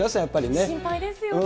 心配ですよね。